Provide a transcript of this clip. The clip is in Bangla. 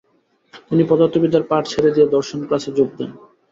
তিনি পদার্থবিদ্যার পাঠ ছেড়ে দিয়ে দর্শন ক্লাসে যোগ দেন।